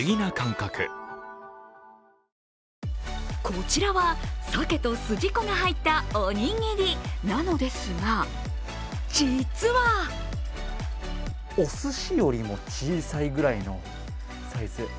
こちらは、さけとすじこが入ったおにぎりなのですが、実はおすしよりも小さいぐらいのサイズ。